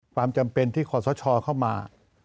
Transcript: ความจำเป็นที่ขอสชเข้ามา